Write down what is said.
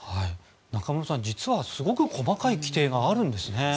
中室さん実はすごく細かい規定があるんですね。